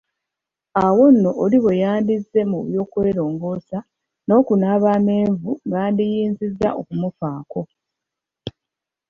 Awo nno oli bwe yandizze mu by’okwerongoosa n’okunaaba amenvu gandiyinzizza okumufaako.